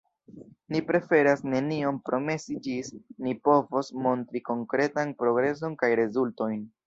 Ni preferas nenion promesi ĝis ni povos montri konkretan progreson kaj rezultojn.